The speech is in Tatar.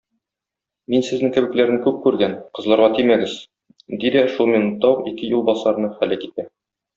Мин сезнең кебекләрне күп күргән, кызларга тимәгез! - ди дә шул минутта ук ике юлбасарны һәлак итә.